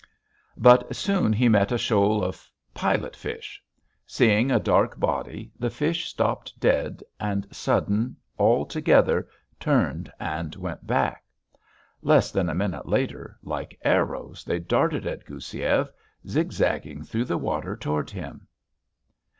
But soon he met a shoal of pilot fish. Seeing a dark body, the fish stopped dead and sudden, all together, turned and went back. Less than a minute later, like arrows they darted at Goussiev, zigzagging through the water around him....